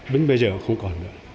bên bây giờ cũng không còn nữa